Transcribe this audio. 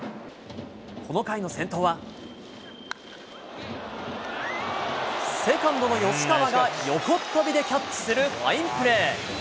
この回の先頭は、セカンドの吉川が横っ飛びでキャッチするファインプレー。